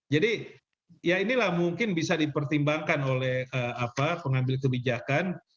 jadi ya inilah mungkin bisa dipertimbangkan oleh pengambil kebijakan